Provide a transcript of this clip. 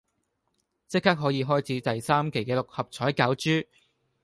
即刻可以開始第三期嘅六合彩攪珠